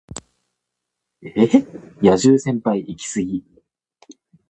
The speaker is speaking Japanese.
野獣先輩イキスギ